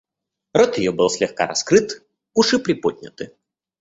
Рот ее был слегка раскрыт, уши приподняты.